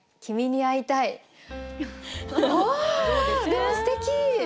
でもすてき。